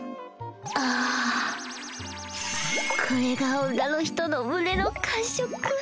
あぁこれが女の人の胸の感触